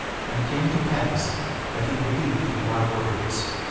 And it came to pass that he believed in my words.